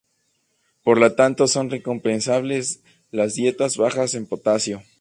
Por lo tanto son recomendables las dietas bajas en potasio.